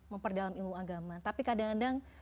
memperdalam ilmu agama tapi kadang kadang